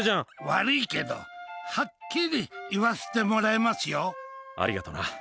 悪いけど、はっきり言わせてもらいますよ。ありがとな。